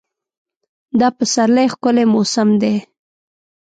دا پسرلی ښکلی موسم دی.